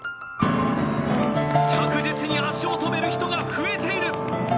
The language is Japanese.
着実に足を止める人が増えている。